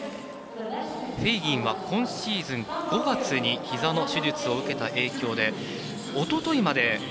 フェイギンは、今シーズン５月にひざの手術を受けた影響でおとといまで